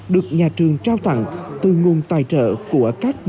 được nhà trường trao tặng cho các em